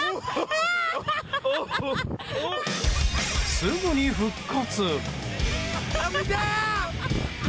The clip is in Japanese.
すぐに復活！